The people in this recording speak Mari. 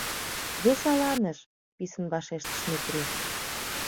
— Вес аланыш! — писын вашештыш Метрий.